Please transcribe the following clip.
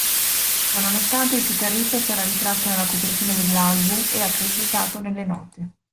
Ciononostante il chitarrista sarà ritratto nella copertina dell'album e accreditato nelle note.